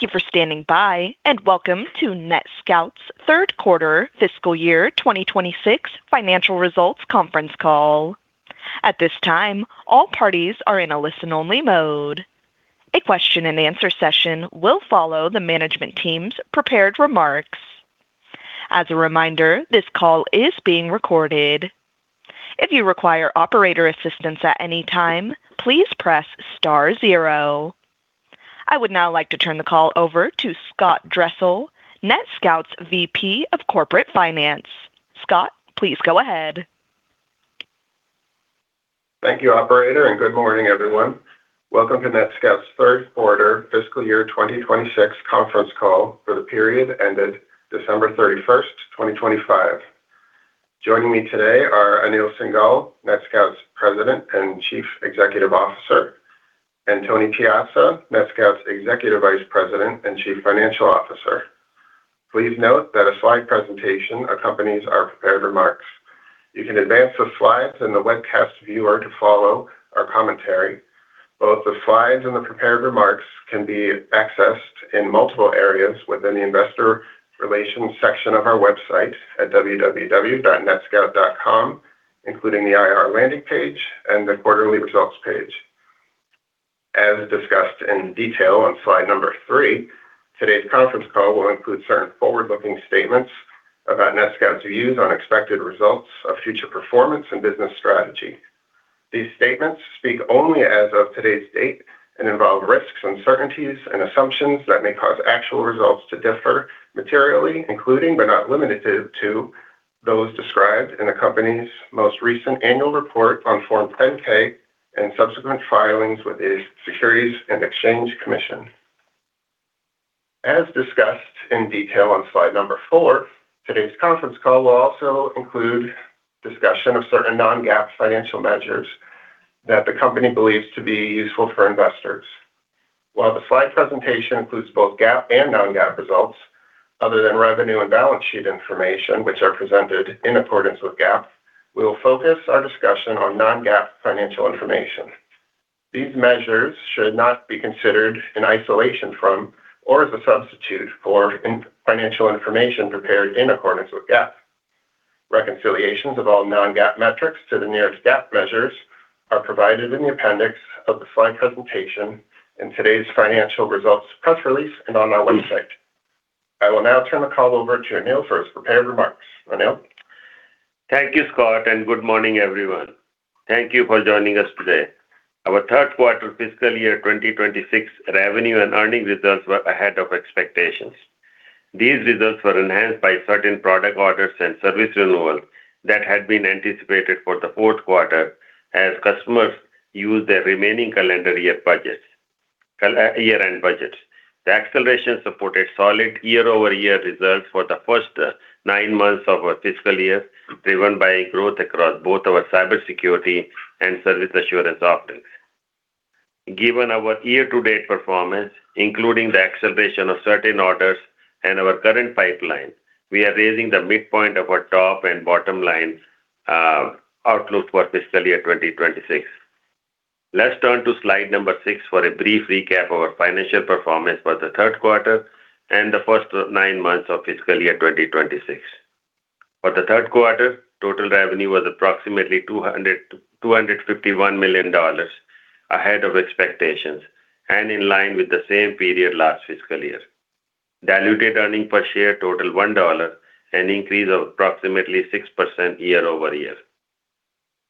Thank you for standing by and welcome to NETSCOUT's Third Quarter Fiscal Year 2026 Financial Results Conference Call. At this time, all parties are in a listen-only mode. A question-and-answer session will follow the management team's prepared remarks. As a reminder, this call is being recorded. If you require operator assistance at any time, please press star zero. I would now like to turn the call over to Scott Dressel, NETSCOUT's VP of Corporate Finance. Scott, please go ahead. Thank you, operator, and good morning, everyone. Welcome to NETSCOUT's Third Quarter Fiscal Year 2026 Conference Call for the period ended December 31st, 2025. Joining me today are Anil Singhal, NETSCOUT's President and Chief Executive Officer, and Tony Piazza, NETSCOUT's Executive Vice President and Chief Financial Officer. Please note that a slide presentation accompanies our prepared remarks. You can advance the slides in the webcast viewer to follow our commentary. Both the slides and the prepared remarks can be accessed in multiple areas within the Investor Relations section of our website at www.netscout.com, including the IR landing page and the quarterly results page. As discussed in detail on slide number three, today's conference call will include certain forward-looking statements about NETSCOUT's views on expected results of future performance and business strategy. These statements speak only as of today's date and involve risks, uncertainties, and assumptions that may cause actual results to differ materially, including but not limited to those described in the company's most recent annual report on Form 10-K and subsequent filings with the Securities and Exchange Commission. As discussed in detail on slide number four, today's conference call will also include discussion of certain non-GAAP financial measures that the company believes to be useful for investors. While the slide presentation includes both GAAP and non-GAAP results, other than revenue and balance sheet information, which are presented in accordance with GAAP, we will focus our discussion on non-GAAP financial information. These measures should not be considered in isolation from or as a substitute for financial information prepared in accordance with GAAP. Reconciliations of all non-GAAP metrics to the nearest GAAP measures are provided in the appendix of the slide presentation in today's financial results press release and on our website. I will now turn the call over to Anil for his prepared remarks. Anil? Thank you, Scott, and good morning, everyone. Thank you for joining us today. Our third quarter fiscal year 2026 revenue and earnings results were ahead of expectations. These results were enhanced by certain product orders and service renewals that had been anticipated for the fourth quarter as customers used their remaining calendar year end budgets. The acceleration supported solid year-over-year results for the first nine months of our fiscal year, driven by growth across both our cybersecurity and service assurance offerings. Given our year-to-date performance, including the acceleration of certain orders and our current pipeline, we are raising the midpoint of our top and bottom line outlook for fiscal year 2026. Let's turn to slide number six for a brief recap of our financial performance for the third quarter and the first nine months of fiscal year 2026. For the third quarter, total revenue was approximately $251 million ahead of expectations and in line with the same period last fiscal year. Diluted earnings per share totaled $1, an increase of approximately 6% year-over-year.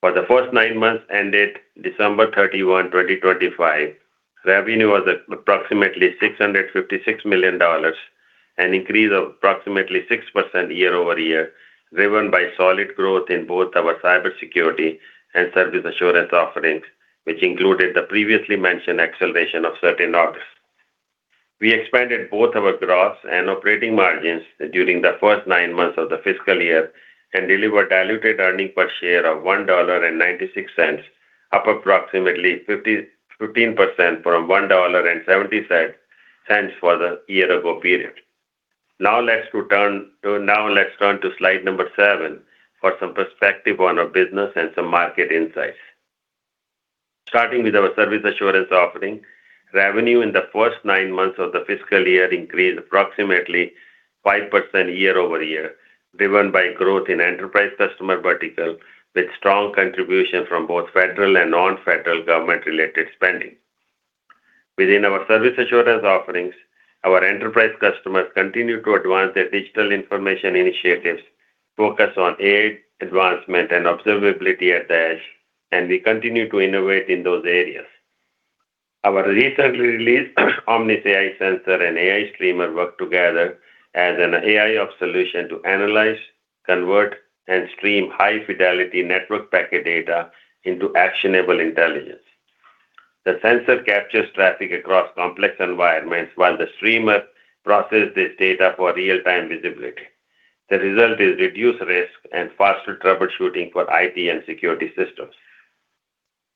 For the first nine months ended December 31, 2025, revenue was approximately $656 million, an increase of approximately 6% year-over-year, driven by solid growth in both our cybersecurity and service assurance offerings, which included the previously mentioned acceleration of certain orders. We expanded both our gross and operating margins during the first nine months of the fiscal year and delivered diluted earnings per share of $1.96, up approximately 15% from $1.70 for the year-ago period. Now let's turn to slide number seven for some perspective on our business and some market insights. Starting with our service assurance offering, revenue in the first nine months of the fiscal year increased approximately 5% year-over-year, driven by growth in enterprise customer vertical with strong contribution from both federal and non-federal government-related spending. Within our service assurance offerings, our enterprise customers continue to advance their digital information initiatives, focus on AIOps advancement and observability at the edge, and we continue to innovate in those areas. Our recently released Omnis AI Sensor and Omnis AI Streamer work together as an AI observability solution to analyze, convert, and stream high-fidelity network packet data into actionable intelligence. The sensor captures traffic across complex environments while the streamer processes this data for real-time visibility. The result is reduced risk and faster troubleshooting for IT and security systems.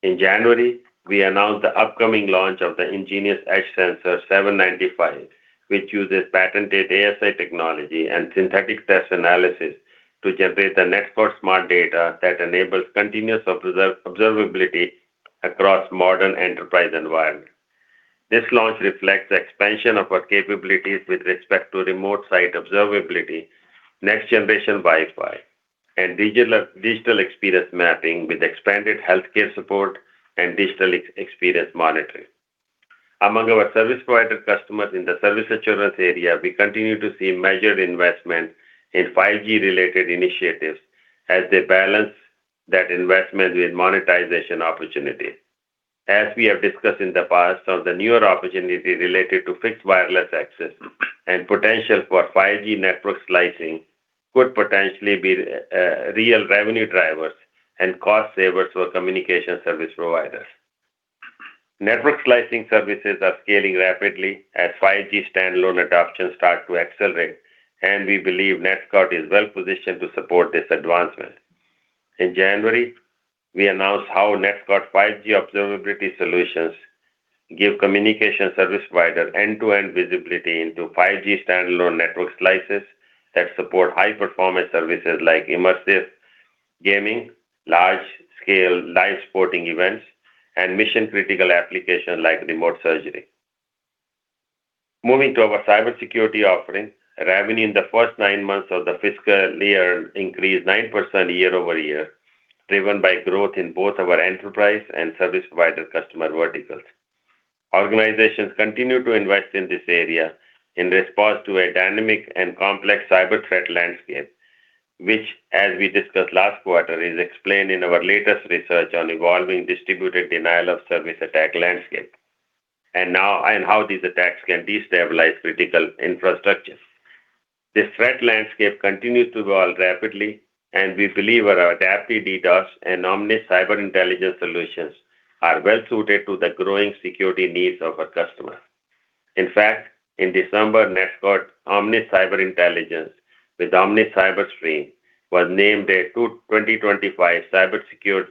In January, we announced the upcoming launch of the nGenius Edge Sensor 795, which uses patented ASI technology and synthetic test analysis to generate the network Smart Data that enables continuous observability across modern enterprise environments. This launch reflects expansion of our capabilities with respect to remote site observability, next-generation Wi-Fi, and digital experience mapping with expanded healthcare support and digital experience monitoring. Among our service provider customers in the service assurance area, we continue to see measured investment in 5G-related initiatives as they balance that investment with monetization opportunities. As we have discussed in the past, some of the newer opportunities related to fixed wireless access and potential for 5G network slicing could potentially be real revenue drivers and cost savers for communication service providers. Network slicing services are scaling rapidly as 5G standalone adoption starts to accelerate, and we believe NETSCOUT is well positioned to support this advancement. In January, we announced how NETSCOUT 5G observability solutions give communication service provider end-to-end visibility into 5G Standalone network slices that support high-performance services like immersive gaming, large-scale live sporting events, and mission-critical applications like remote surgery. Moving to our cybersecurity offering, revenue in the first nine months of the fiscal year increased 9% year-over-year, driven by growth in both our enterprise and service provider customer verticals. Organizations continue to invest in this area in response to a dynamic and complex cyber threat landscape, which, as we discussed last quarter, is explained in our latest research on evolving distributed denial-of-service attack landscape and how these attacks can destabilize critical infrastructure. This threat landscape continues to evolve rapidly, and we believe our adaptive DDoS and Omnis Cyber Intelligence solutions are well suited to the growing security needs of our customers. In fact, in December, NETSCOUT Omnis Cyber Intelligence with Omnis CyberStream was named a 2025 CyberSecured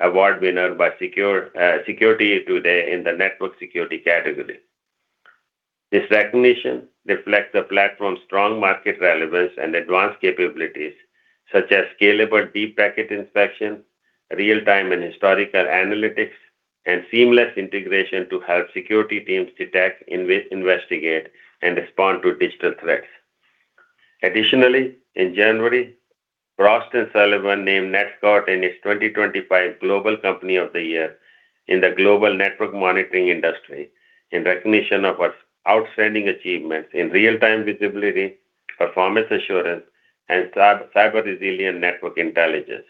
Award Winner by Security Today in the Network Security category. This recognition reflects the platform's strong market relevance and advanced capabilities such as scalable deep packet inspection, real-time and historical analytics, and seamless integration to help security teams detect, investigate, and respond to digital threats. Additionally, in January, Frost & Sullivan named NETSCOUT its 2025 Global Company of the Year in the global network monitoring industry in recognition of our outstanding achievements in real-time visibility, performance assurance, and cyber-resilient network intelligence.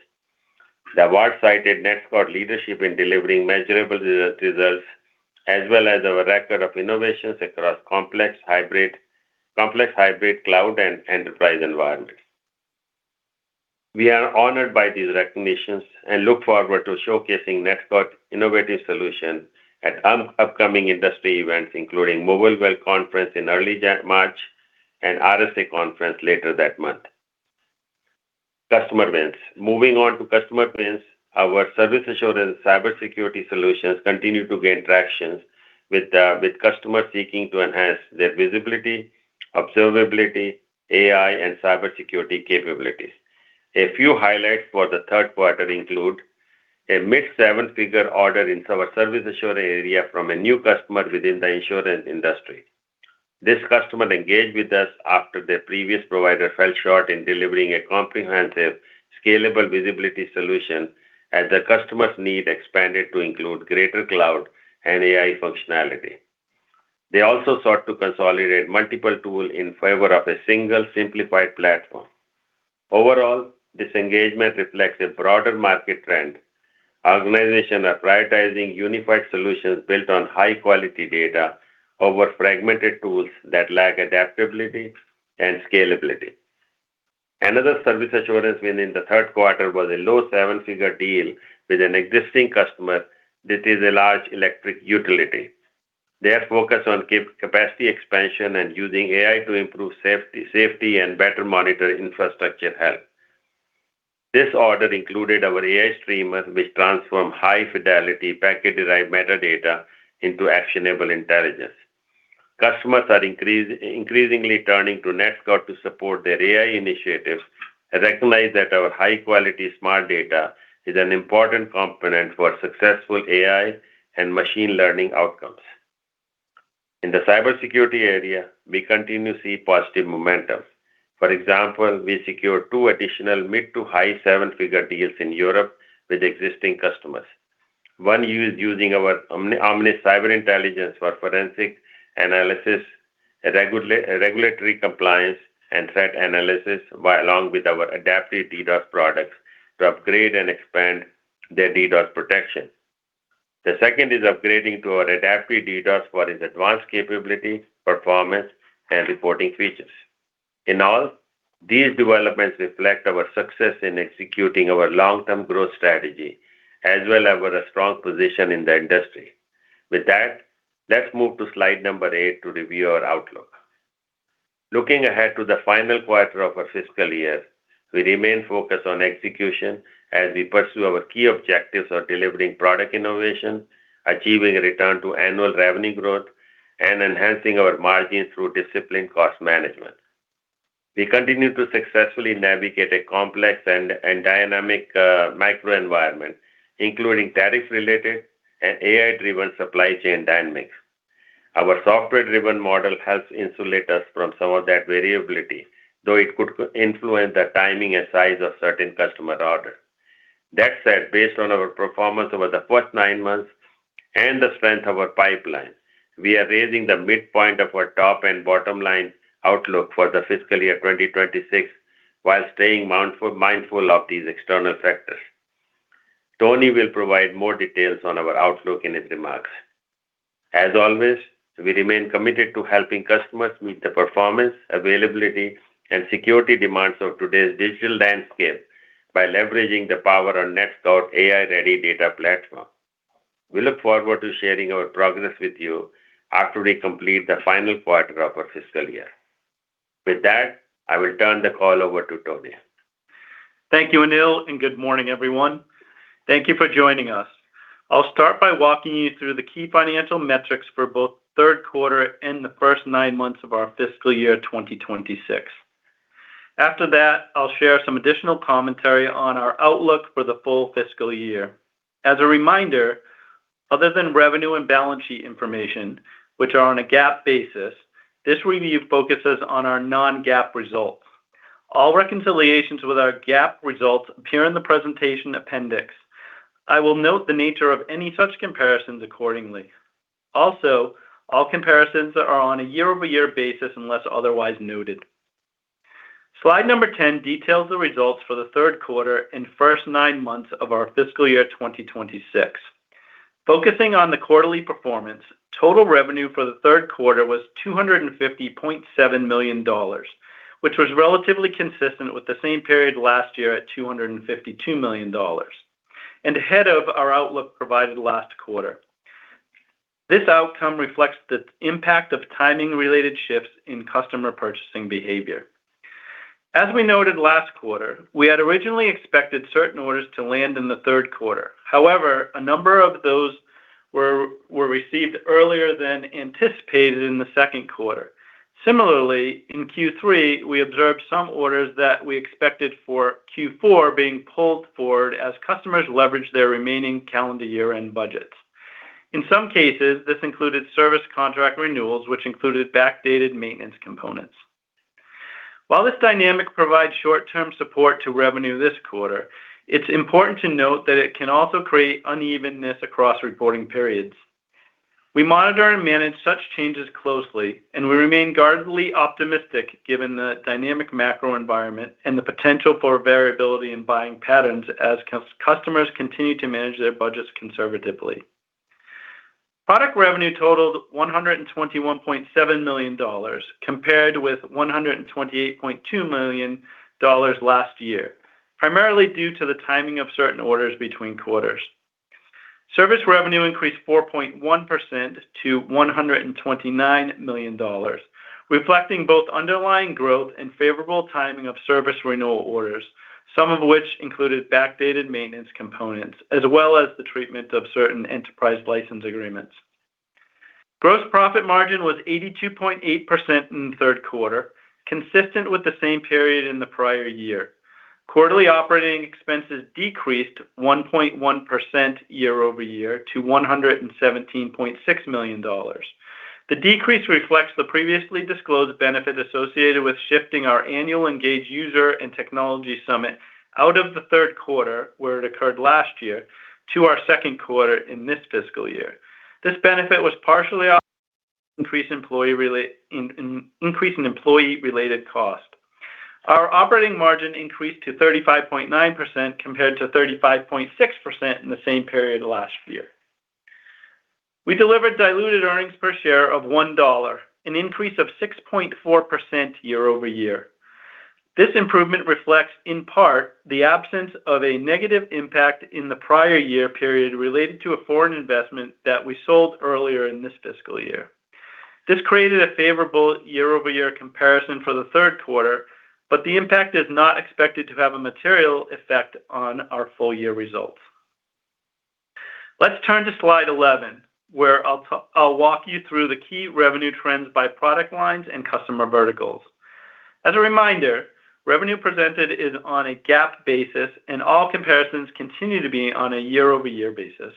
The award cited NETSCOUT leadership in delivering measurable results as well as our record of innovations across complex hybrid cloud and enterprise environments. We are honored by these recognitions and look forward to showcasing NETSCOUT's innovative solutions at upcoming industry events, including Mobile World Congress in early March and RSA Conference later that month. Customer wins. Moving on to customer wins, our service assurance cybersecurity solutions continue to gain traction with customers seeking to enhance their visibility, observability, AI, and cybersecurity capabilities. A few highlights for the third quarter include a mid-seven-figure order in our service assurance area from a new customer within the insurance industry. This customer engaged with us after their previous provider fell short in delivering a comprehensive, scalable visibility solution as the customer's need expanded to include greater cloud and AI functionality. They also sought to consolidate multiple tools in favor of a single, simplified platform. Overall, this engagement reflects a broader market trend. Organizations are prioritizing unified solutions built on high-quality data over fragmented tools that lack adaptability and scalability. Another service assurance win in the third quarter was a low-seven-figure deal with an existing customer. This is a large electric utility. They are focused on capacity expansion and using AI to improve safety and better monitor infrastructure health. This order included our AI streamer, which transformed high-fidelity packet-derived metadata into actionable intelligence. Customers are increasingly turning to NETSCOUT to support their AI initiatives, recognizing that our high-quality Smart Data is an important component for successful AI and machine learning outcomes. In the cybersecurity area, we continue to see positive momentum. For example, we secured two additional mid-to-high seven-figure deals in Europe with existing customers. One is using our Omnis Cyber Intelligence for forensic analysis, regulatory compliance, and threat analysis, along with our adaptive DDoS products to upgrade and expand their DDoS protection. The second is upgrading to our adaptive DDoS for its advanced capability, performance, and reporting features. In all, these developments reflect our success in executing our long-term growth strategy as well as our strong position in the industry. With that, let's move to slide number eight to review our outlook. Looking ahead to the final quarter of our fiscal year, we remain focused on execution as we pursue our key objectives of delivering product innovation, achieving a return to annual revenue growth, and enhancing our margins through disciplined cost management. We continue to successfully navigate a complex and dynamic macroenvironment, including tariff-related and AI-driven supply chain dynamics. Our software-driven model helps insulate us from some of that variability, though it could influence the timing and size of certain customer orders. That said, based on our performance over the first nine months and the strength of our pipeline, we are raising the midpoint of our top and bottom line outlook for the fiscal year 2026 while staying mindful of these external factors. Tony will provide more details on our outlook in his remarks. As always, we remain committed to helping customers meet the performance, availability, and security demands of today's digital landscape by leveraging the power of NETSCOUT's AI-ready data platform. We look forward to sharing our progress with you after we complete the final quarter of our fiscal year. With that, I will turn the call over to Tony. Thank you, Anil, and good morning, everyone. Thank you for joining us. I'll start by walking you through the key financial metrics for both third quarter and the first nine months of our fiscal year 2026. After that, I'll share some additional commentary on our outlook for the full fiscal year. As a reminder, other than revenue and balance sheet information, which are on a GAAP basis, this review focuses on our non-GAAP results. All reconciliations with our GAAP results appear in the presentation appendix. I will note the nature of any such comparisons accordingly. Also, all comparisons are on a year-over-year basis unless otherwise noted. Slide number 10 details the results for the third quarter and first nine months of our fiscal year 2026. Focusing on the quarterly performance, total revenue for the third quarter was $250.7 million, which was relatively consistent with the same period last year at $252 million, and ahead of our outlook provided last quarter. This outcome reflects the impact of timing-related shifts in customer purchasing behavior. As we noted last quarter, we had originally expected certain orders to land in the third quarter. However, a number of those were received earlier than anticipated in the second quarter. Similarly, in Q3, we observed some orders that we expected for Q4 being pulled forward as customers leveraged their remaining calendar year-end budgets. In some cases, this included service contract renewals, which included backdated maintenance components. While this dynamic provides short-term support to revenue this quarter, it's important to note that it can also create unevenness across reporting periods. We monitor and manage such changes closely, and we remain guardedly optimistic given the dynamic macroenvironment and the potential for variability in buying patterns as customers continue to manage their budgets conservatively. Product revenue totaled $121.7 million compared with $128.2 million last year, primarily due to the timing of certain orders between quarters. Service revenue increased 4.1% to $129 million, reflecting both underlying growth and favorable timing of service renewal orders, some of which included backdated maintenance components, as well as the treatment of certain enterprise license agreements. Gross profit margin was 82.8% in the third quarter, consistent with the same period in the prior year. Quarterly operating expenses decreased 1.1% year-over-year to $117.6 million. The decrease reflects the previously disclosed benefit associated with shifting our annual Engage User and Technology Summit out of the third quarter, where it occurred last year, to our second quarter in this fiscal year. This benefit was partially increased in employee-related cost. Our operating margin increased to 35.9% compared to 35.6% in the same period last year. We delivered diluted earnings per share of $1, an increase of 6.4% year-over-year. This improvement reflects, in part, the absence of a negative impact in the prior year period related to a foreign investment that we sold earlier in this fiscal year. This created a favorable year-over-year comparison for the third quarter, but the impact is not expected to have a material effect on our full-year results. Let's turn to slide 11, where I'll walk you through the key revenue trends by product lines and customer verticals. As a reminder, revenue presented is on a GAAP basis, and all comparisons continue to be on a year-over-year basis.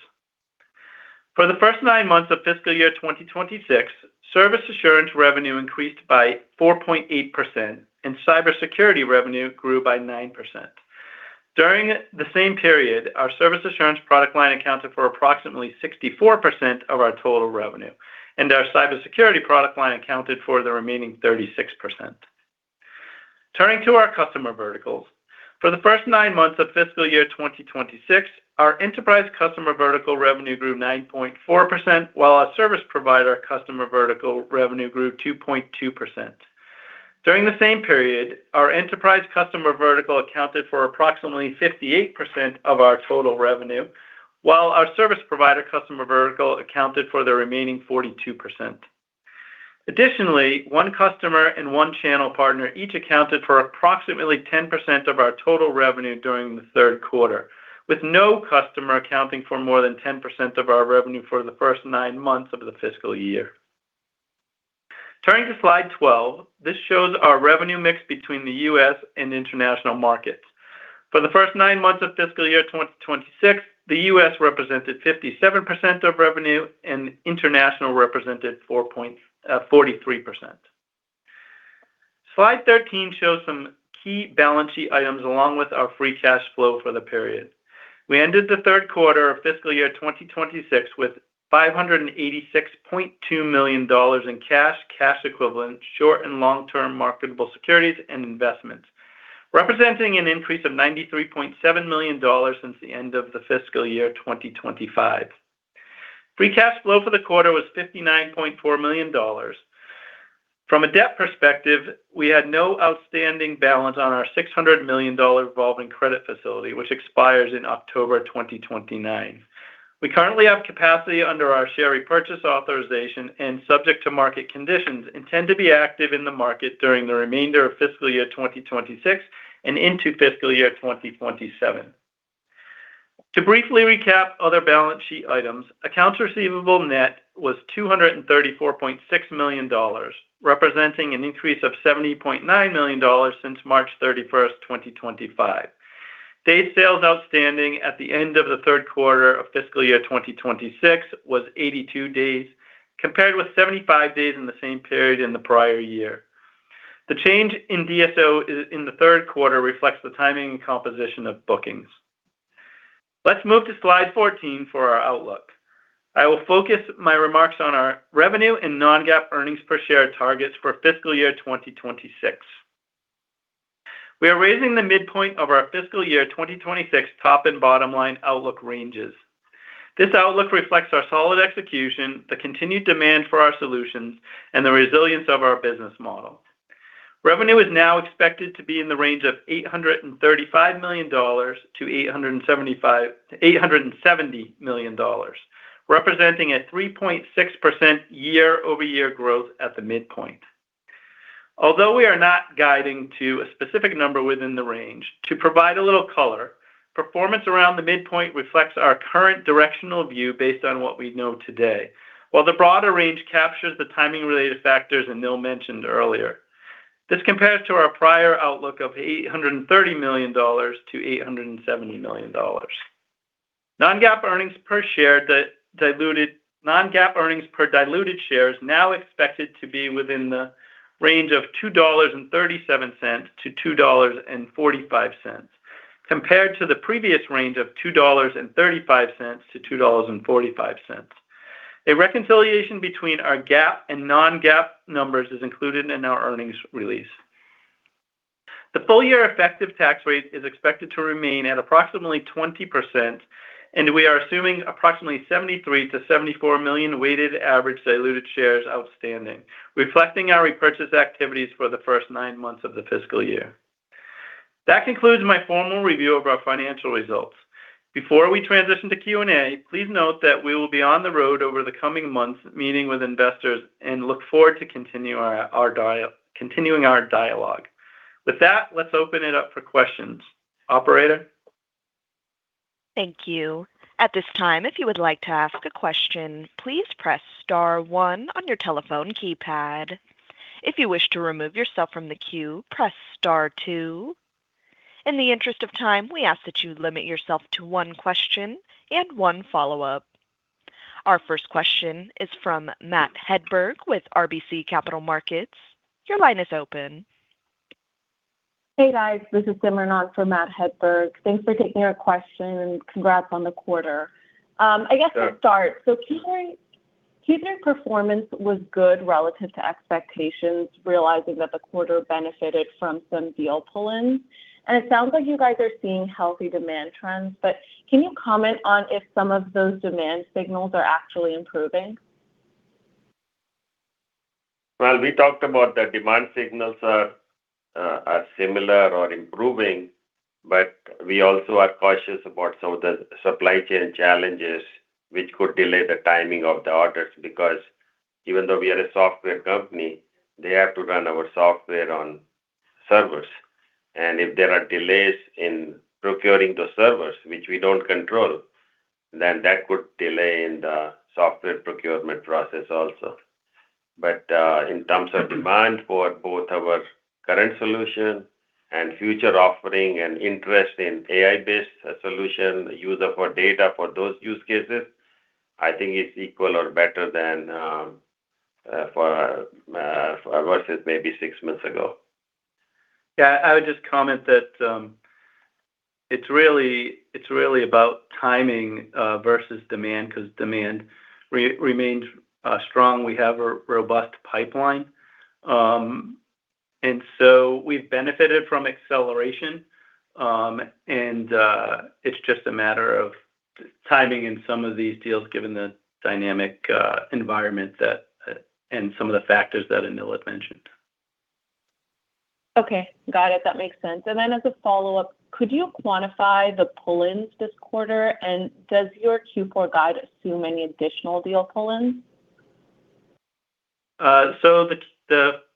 For the first nine months of fiscal year 2026, service assurance revenue increased by 4.8%, and cybersecurity revenue grew by 9%. During the same period, our service assurance product line accounted for approximately 64% of our total revenue, and our cybersecurity product line accounted for the remaining 36%. Turning to our customer verticals. For the first nine months of fiscal year 2026, our enterprise customer vertical revenue grew 9.4%, while our service provider customer vertical revenue grew 2.2%. During the same period, our enterprise customer vertical accounted for approximately 58% of our total revenue, while our service provider customer vertical accounted for the remaining 42%. Additionally, one customer and one channel partner each accounted for approximately 10% of our total revenue during the third quarter, with no customer accounting for more than 10% of our revenue for the first nine months of the fiscal year. Turning to slide 12, this shows our revenue mix between the U.S. and international markets. For the first nine months of fiscal year 2026, the U.S. represented 57% of revenue, and international represented 43%. Slide 13 shows some key balance sheet items along with our free cash flow for the period. We ended the third quarter of fiscal year 2026 with $586.2 million in cash, cash equivalent, short and long-term marketable securities, and investments, representing an increase of $93.7 million since the end of the fiscal year 2025. Free cash flow for the quarter was $59.4 million. From a debt perspective, we had no outstanding balance on our $600 million revolving credit facility, which expires in October 2029. We currently have capacity under our share repurchase authorization and subject to market conditions and tend to be active in the market during the remainder of fiscal year 2026 and into fiscal year 2027. To briefly recap other balance sheet items, accounts receivable net was $234.6 million, representing an increase of $70.9 million since March 31st, 2025. Days sales outstanding at the end of the third quarter of fiscal year 2026 was 82 days, compared with 75 days in the same period in the prior year. The change in DSO in the third quarter reflects the timing and composition of bookings. Let's move to slide 14 for our outlook. I will focus my remarks on our revenue and non-GAAP earnings per share targets for fiscal year 2026. We are raising the midpoint of our fiscal year 2026 top and bottom line outlook ranges. This outlook reflects our solid execution, the continued demand for our solutions, and the resilience of our business model. Revenue is now expected to be in the range of $835 million-$870 million, representing a 3.6% year-over-year growth at the midpoint. Although we are not guiding to a specific number within the range, to provide a little color, performance around the midpoint reflects our current directional view based on what we know today, while the broader range captures the timing-related factors Anil mentioned earlier. This compares to our prior outlook of $830 million-$870 million. Non-GAAP earnings per share diluted shares now expected to be within the range of $2.37-$2.45, compared to the previous range of $2.35-$2.45. A reconciliation between our GAAP and non-GAAP numbers is included in our earnings release. The full-year effective tax rate is expected to remain at approximately 20%, and we are assuming approximately 73 million-74 million weighted average diluted shares outstanding, reflecting our repurchase activities for the first nine months of the fiscal year. That concludes my formal review of our financial results. Before we transition to Q&A, please note that we will be on the road over the coming months meeting with investors and look forward to continuing our dialogue. With that, let's open it up for questions. Operator? Thank you. At this time, if you would like to ask a question, please press star one on your telephone keypad. If you wish to remove yourself from the queue, press star two. In the interest of time, we ask that you limit yourself to one question and one follow-up. Our first question is from Matt Hedberg with RBC Capital Markets. Your line is open. Hey, guys. This is Simran Biswal on for Matt Hedberg. Thanks for taking our question, and congrats on the quarter. I guess to start, so Q3's performance was good relative to expectations, realizing that the quarter benefited from some deal pull-in. It sounds like you guys are seeing healthy demand trends, but can you comment on if some of those demand signals are actually improving? Well, we talked about the demand signals are similar or improving, but we also are cautious about some of the supply chain challenges, which could delay the timing of the orders because even though we are a software company, they have to run our software on servers. And if there are delays in procuring those servers, which we don't control, then that could delay in the software procurement process also. But in terms of demand for both our current solution and future offering and interest in AI-based solution, use of our data for those use cases, I think it's equal or better than versus maybe six months ago. Yeah. I would just comment that it's really about timing versus demand because demand remains strong. We have a robust pipeline. And so we've benefited from acceleration, and it's just a matter of timing in some of these deals given the dynamic environment and some of the factors that Anil had mentioned. Okay. Got it. That makes sense. And then as a follow-up, could you quantify the pull-ins this quarter, and does your Q4 guide assume any additional deal pull-ins? So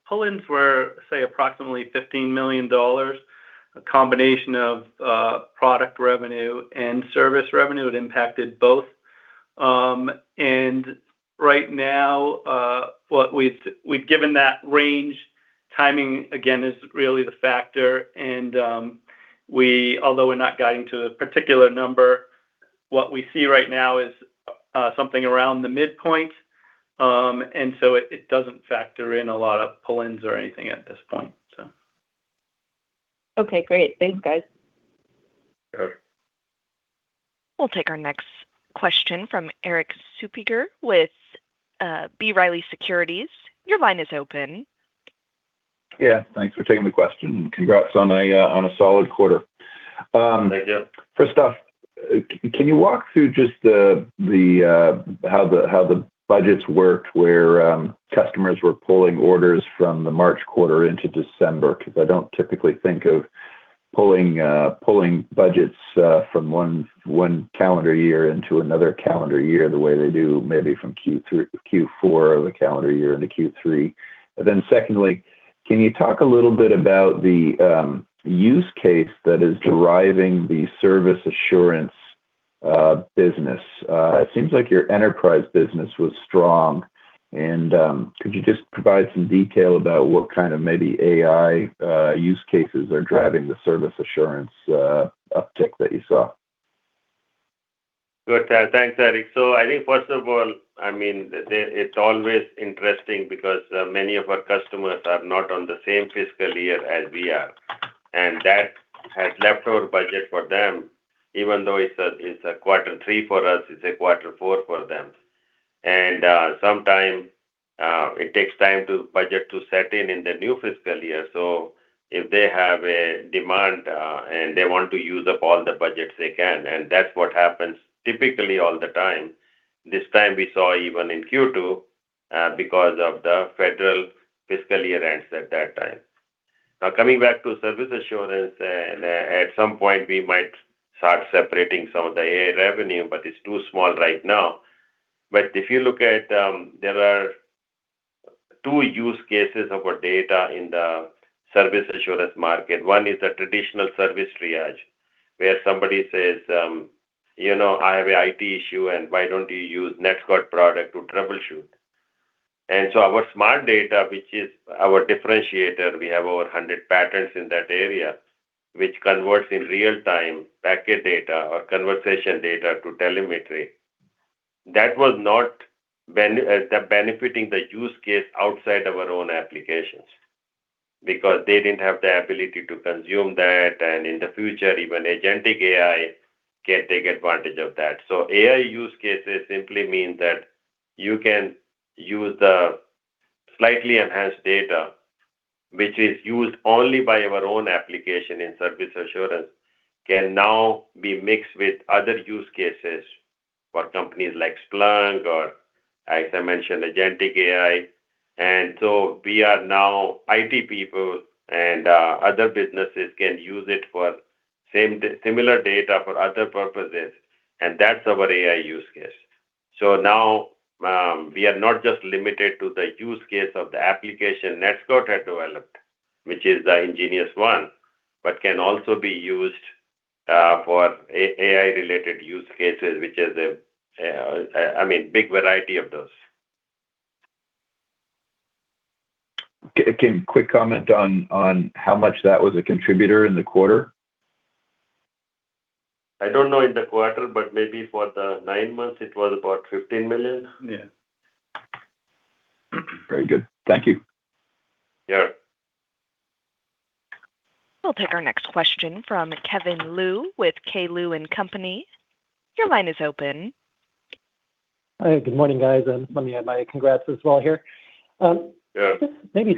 the pull-ins were, say, approximately $15 million, a combination of product revenue and service revenue that impacted both. And right now, we've given that range. Timing, again, is really the factor. And although we're not guiding to a particular number, what we see right now is something around the midpoint. And so it doesn't factor in a lot of pull-ins or anything at this point, so. Okay. Great. Thanks, guys. We'll take our next question from Erik Suppiger with B. Riley Securities. Your line is open. Yeah. Thanks for taking the question. Congrats on a solid quarter. Thank you. First off, can you walk through just how the budgets worked, where customers were pulling orders from the March quarter into December? Because I don't typically think of pulling budgets from one calendar year into another calendar year the way they do maybe from Q4 of a calendar year into Q3. And then secondly, can you talk a little bit about the use case that is driving the service assurance business? It seems like your enterprise business was strong. And could you just provide some detail about what kind of maybe AI use cases are driving the service assurance uptick that you saw? Good. Thanks, Erik. So I think, first of all, I mean, it's always interesting because many of our customers are not on the same fiscal year as we are. And that has leftover budget for them. Even though it's a quarter three for us, it's a quarter four for them. And sometimes it takes time for budget to set in in the new fiscal year. So if they have a demand and they want to use up all the budgets they can, and that's what happens typically all the time. This time we saw even in Q2 because of the federal fiscal year ends at that time. Now, coming back to service assurance, at some point, we might start separating some of the AI revenue, but it's too small right now. But if you look at there are two use cases of our data in the service assurance market. One is the traditional service triage, where somebody says, "I have an IT issue, and why don't you use NetScout product to troubleshoot?" And so our Smart Data, which is our differentiator—we have over 100 patterns in that area—which converts in real-time packet data or conversation data to telemetry, that was not benefiting the use case outside our own applications because they didn't have the ability to consume that. And in the future, even agentic AI can take advantage of that. So AI use cases simply mean that you can use the slightly enhanced data, which is used only by our own application in service assurance, can now be mixed with other use cases for companies like Splunk or, as I mentioned, agentic AI. And so we are now IT people, and other businesses can use it for similar data for other purposes. That's our AI use case. Now we are not just limited to the use case of the application NETSCOUT had developed, which is the nGeniusONE but can also be used for AI-related use cases, which is a, I mean, big variety of those. Can you quick comment on how much that was a contributor in the quarter? I don't know in the quarter, but maybe for the nine months, it was about $15 million. Yeah. Very good. Thank you. Yeah. We'll take our next question from Kevin Liu with K. Liu & Company. Your line is open. Hi. Good morning, guys. Let me add my congrats as well here. Maybe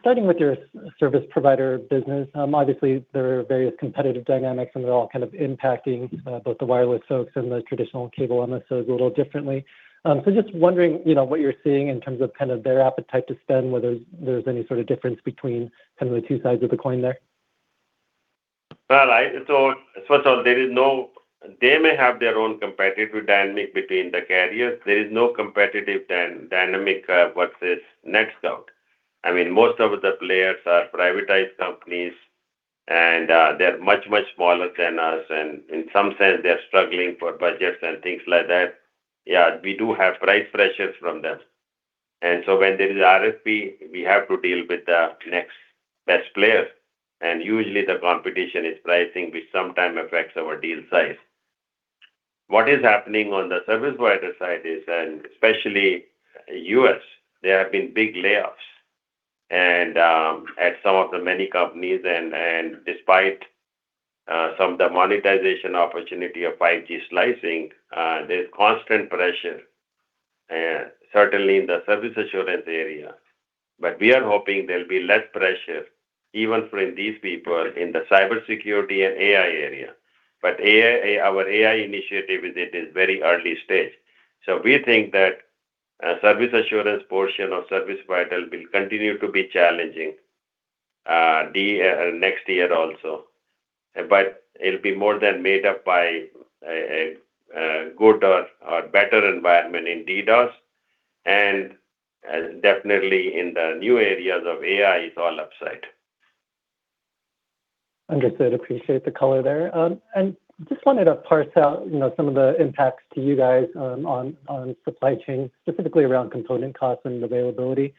starting with your service provider business, obviously, there are various competitive dynamics, and they're all kind of impacting both the wireless folks and the traditional cable MSOs a little differently. So just wondering what you're seeing in terms of kind of their appetite to spend, whether there's any sort of difference between kind of the two sides of the coin there. Well, first of all, there is no. They may have their own competitive dynamic between the carriers. There is no competitive dynamic versus NETSCOUT. I mean, most of the players are privatized companies, and they're much, much smaller than us. And in some sense, they're struggling for budgets and things like that. Yeah, we do have price pressures from them. And so when there is RFP, we have to deal with the next best player. And usually, the competition is pricing, which sometimes affects our deal size. What is happening on the service provider side is, and especially U.S., there have been big layoffs at some of the many companies. And despite some of the monetization opportunity of 5G slicing, there's constant pressure, certainly in the service assurance area. But we are hoping there'll be less pressure even for these people in the cybersecurity and AI area. But our AI initiative is at a very early stage. So we think that service assurance portion of service vertical will continue to be challenging next year also. But it'll be more than made up by a good or better environment in DDoS. And definitely, in the new areas of AI, it's all upside. Understood. Appreciate the color there. Just wanted to parse out some of the impacts to you guys on supply chain, specifically around component costs and availability.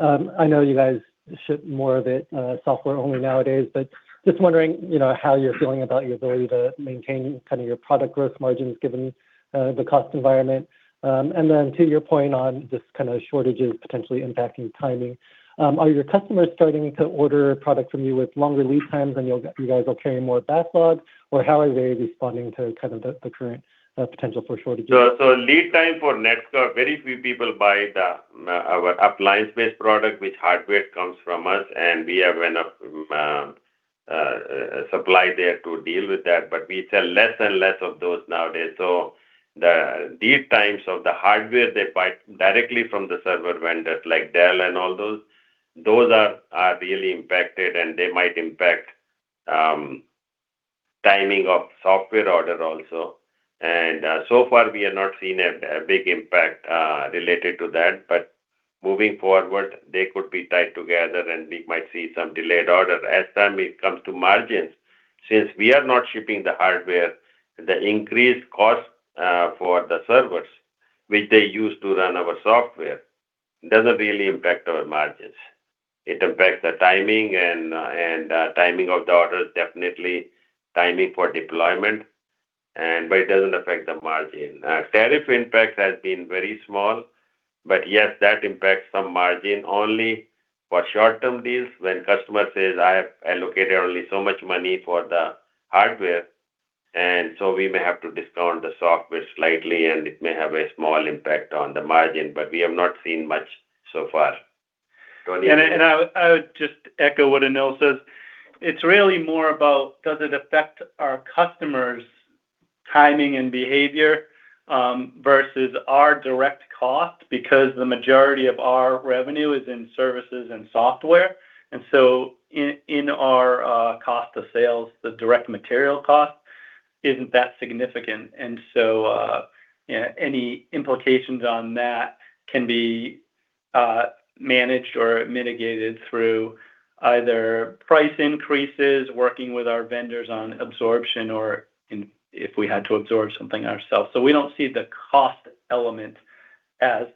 I know you guys ship more of it software-only nowadays, but just wondering how you're feeling about your ability to maintain kind of your product growth margins given the cost environment. Then to your point on just kind of shortages potentially impacting timing, are your customers starting to order product from you with longer lead times, and you guys are carrying more backlog, or how are they responding to kind of the current potential for shortages? Lead time for NETSCOUT, very few people buy our appliance-based product, which hardware comes from us. We have enough supply there to deal with that. We sell less and less of those nowadays. The lead times of the hardware they buy directly from the server vendors like Dell and all those, those are really impacted, and they might impact timing of software order also. So far, we have not seen a big impact related to that. Moving forward, they could be tied together, and we might see some delayed order. As time comes to margins, since we are not shipping the hardware, the increased cost for the servers, which they use to run our software, doesn't really impact our margins. It impacts the timing, and timing of the order is definitely timing for deployment, but it doesn't affect the margin. Tariff impact has been very small, but yes, that impacts some margin only for short-term deals when customer says, "I have allocated only so much money for the hardware." So we may have to discount the software slightly, and it may have a small impact on the margin. We have not seen much so far. Tony? I would just echo what Anil says. It's really more about does it affect our customers' timing and behavior versus our direct cost because the majority of our revenue is in services and software. And so in our cost of sales, the direct material cost isn't that significant. And so any implications on that can be managed or mitigated through either price increases, working with our vendors on absorption, or if we had to absorb something ourselves. So we don't see the cost element as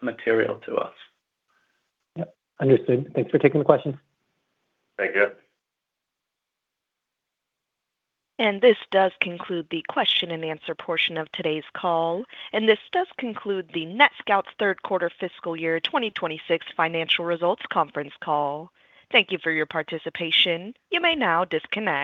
material to us. Yep. Understood. Thanks for taking the questions. Thank you. This does conclude the question-and-answer portion of today's call. This does conclude the NETSCOUT's third-quarter fiscal year 2026 financial results conference call. Thank you for your participation. You may now disconnect.